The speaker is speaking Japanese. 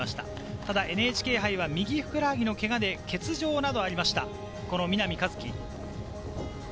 ただＮＨＫ杯は右ふくらはぎのけがで欠場などがありました、南一輝。